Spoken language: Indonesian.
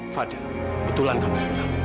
fadil kebetulan kamu pulang